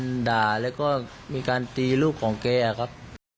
มันด่าแล้วก็มีการตีลูกของแกครับ